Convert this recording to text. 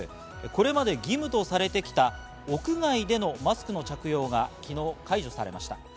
これまで義務とされてきた屋外でのマスクの着用が昨日、解除されました。